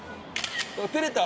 照れた